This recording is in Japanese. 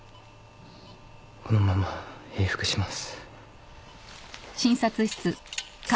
このまま閉腹します。